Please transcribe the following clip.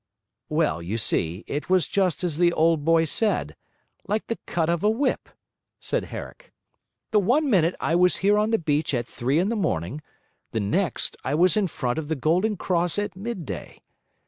'Well, you see, it was just as the old boy said like the cut of a whip,' said Herrick. 'The one minute I was here on the beach at three in the morning, the next I was in front of the Golden Cross at midday.